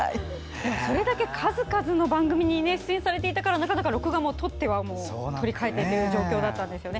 それだけ数々の番組に出演されていたから録画も、とっては撮り替えてという状況だったんですよね。